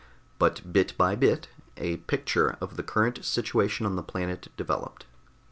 But bit by bit, a picture of the current situation on the planet developed.